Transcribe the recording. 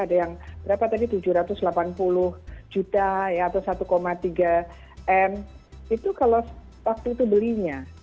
ada yang berapa tadi tujuh ratus delapan puluh juta atau satu tiga m itu kalau waktu itu belinya